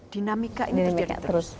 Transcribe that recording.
dinamika itu jadi terus